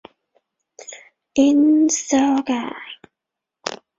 嵯峨御流是以嵯峨天皇为开祖的华道之一派。